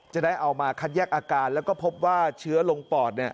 จะได้เอามาคัดแยกอาการแล้วก็พบว่าเชื้อลงปอด